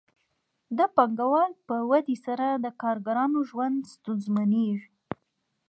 د پانګوال په ودې سره د کارګرانو ژوند ستونزمنېږي